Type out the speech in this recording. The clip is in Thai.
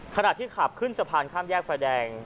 ขณะที่ขับขึ้นสะพานข้ามแยกไฟแดง